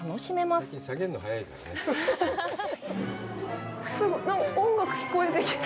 すごい！すごっ、何か音楽が聞こえてきた！